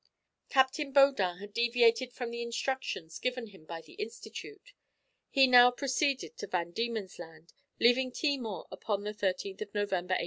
Captain Baudin had deviated from the instructions given him by the Institute. He now proceeded to Van Diemen's Land, leaving Timor upon the 13th of November, 1801.